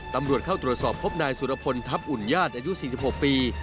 ตำรวจเข้าตรวจสอบพบนายสุรพลทัพอุ่นญาติอายุ๔๖ปี